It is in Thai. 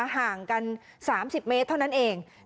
ห่างกัน๓๐เมตรเท่านั้นเอง